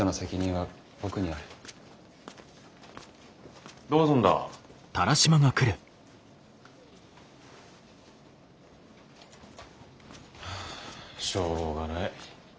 はあしょうがない。